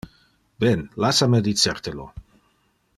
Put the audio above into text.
Ben, lassa me dicer te lo.